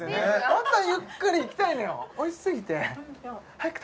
ホントはゆっくりいきたいのよ